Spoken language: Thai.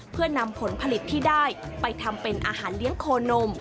เพื่อนำผลผลิตที่ได้ไปทำเป็นอาหารเลี้ยงโคนม